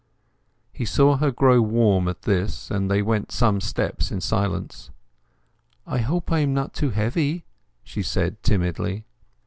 He saw her grow warm at this; and they went some steps in silence. "I hope I am not too heavy?" she said timidly.